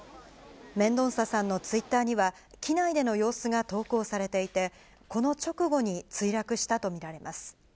メンドンサさんのツイッターには、機内での様子が投稿されていて、この直後に墜落したと見られます。